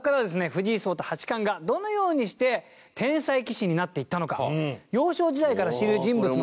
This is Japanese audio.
藤井聡太八冠がどのようにして天才棋士になっていったのか幼少時代から知る人物のですね